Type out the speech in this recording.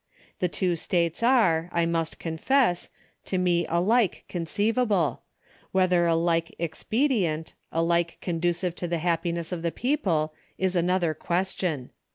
The two states are, I must confess, to me alike conceivable : whether ahke expedient, alike conducive to the happiness of the people, is another question."